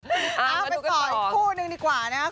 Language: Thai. เอาไปต่ออีกคู่นึงดีกว่านะครับ